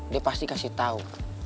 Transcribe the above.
dia pasti kasih tau